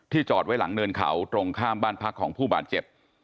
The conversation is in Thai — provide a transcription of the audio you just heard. จอดไว้หลังเนินเขาตรงข้ามบ้านพักของผู้บาดเจ็บ